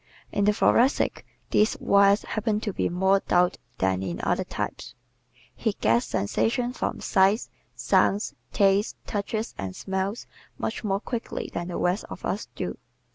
In the Thoracic these wires happen to be more taut than in the other types. He gets sensations from sights, sounds, tastes, touches and smells much more quickly than the rest of us do.